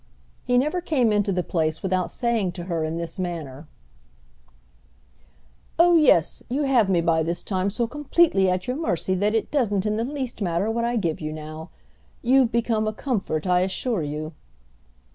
He never came into the place without saying to her in this manner: "Oh yes, you have me by this time so completely at your mercy that it doesn't in the least matter what I give you now. You've become a comfort, I assure you!"